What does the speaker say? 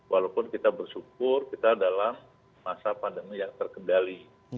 walaupun kita bersyukur kita dalam masa pandemi yang terkendali